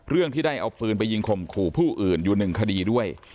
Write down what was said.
เรื่องที่ได้เอาปืนไปยิงข่มขู่ผู้อื่นอยู่หนึ่งคดีด้วย